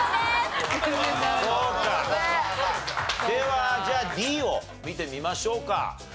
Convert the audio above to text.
ではじゃあＤを見てみましょうか。